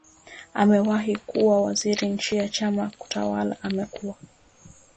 na amewahi kuwa waziri chini ya chama tawala na amekuwa